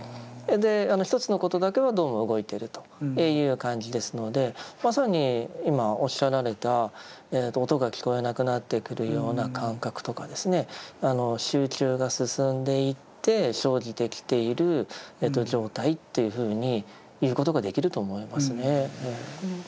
で一つのことだけはどうも動いてるという感じですのでまさに今おっしゃられた音が聞こえなくなってくるような感覚とか集中が進んでいって生じてきている状態というふうに言うことができると思いますね。